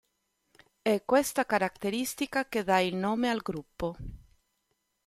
È questa caratteristica che dà il nome al gruppo.